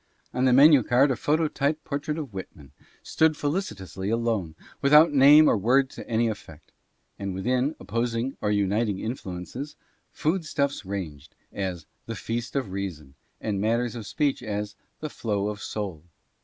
On the menu card a phototype portrait of Whitman stood felicitously alone, without name or word to any effect ; and within, opposing (or uniting) influences, foodstuffs ranged as "The Feast of Reason," and matters of speech as " The Flow of Soul.